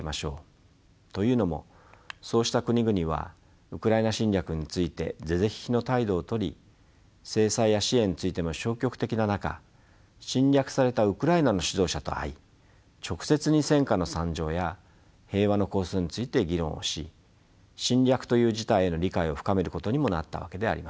というのもそうした国々はウクライナ侵略について是々非々の態度をとり制裁や支援についても消極的な中侵略されたウクライナの指導者と会い直接に戦禍の惨状や平和の構想について議論をし侵略という事態への理解を深めることにもなったわけであります。